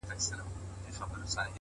• جهاني کله له ډیوو سره زلمي را وزي,